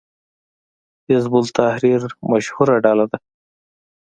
حزب التحریر مشهوره ډله ده